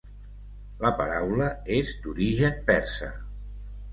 La paraula és d'origen persa.